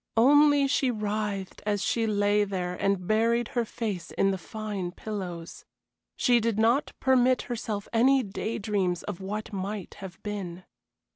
Only she writhed as she lay there and buried her face in the fine pillows. She did not permit herself any day dreams of what might have been.